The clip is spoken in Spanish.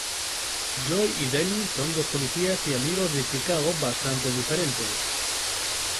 Joey y Denny son dos policías y amigos de Chicago bastante diferentes.